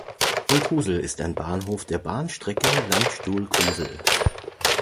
In Kusel ist ein Bahnhof der Bahnstrecke Landstuhl–Kusel.